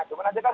cuma saja kan